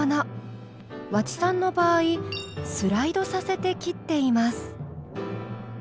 和知さんの場合スライドさせて切っています。